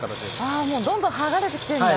あもうどんどん剥がれてきてるんだ。